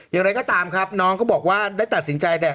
อย่างไรก็ตามครับน้องก็บอกว่าได้ตัดสินใจเนี่ย